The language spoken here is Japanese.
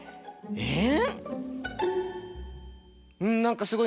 えっ！？